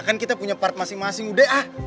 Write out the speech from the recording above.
kan kita punya part masing masing udah ah